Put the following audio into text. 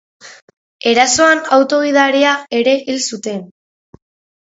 Erasoan auto gidaria ere hil zuten.